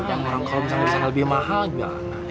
yang orang kalau bisa lebih mahal juga